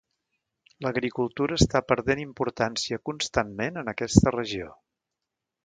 L'agricultura està perdent importància constantment en aquesta regió.